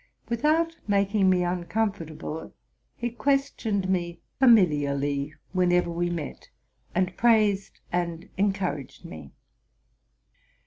Without making me uncomfort able, he questioned me familiarly whenever we met, and praised and encouraged me.